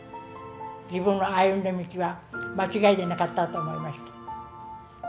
自分の歩んだ道は間違いじゃなかったと思いました。